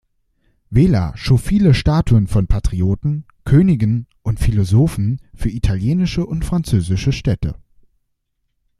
Vela schuf viele Statuen von Patrioten, Königen und Philosophen für italienische und französische Städte.